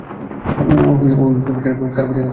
ও কার বাচ্চা তাতে কী যায় আসে?